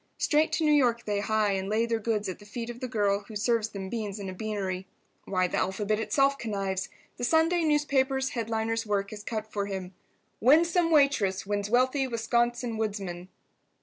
Straight to New York they hie, and lay their goods at the feet of the girl who serves them beans in a beanery. Why, the alphabet itself connives. The Sunday newspaper's headliner's work is cut for him. "Winsome Waitress Wins Wealthy Wisconsin Woodsman."